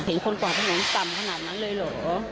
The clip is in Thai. เห็นคนกวาดถนนต่ำขนาดนั้นเลยเหรอ